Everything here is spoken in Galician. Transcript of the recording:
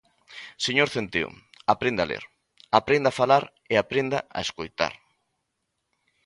Señor Centeo, aprenda a ler, aprenda a falar e aprenda a escoitar.